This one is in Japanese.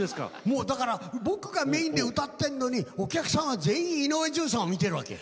もうだから僕がメインで歌ってんのにお客さんは全員井上順さんを見てるわけ。